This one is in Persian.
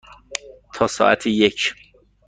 تا ساعت یک.